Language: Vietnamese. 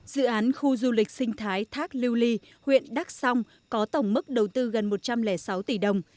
dự án khu du lịch sinh thái thác lưu ly huyện đắc song có tổng mức đầu tư gần một trăm linh sáu tỷ đồng